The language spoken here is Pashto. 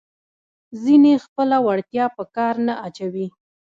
ځینې خپله وړتیا په کار نه اچوي.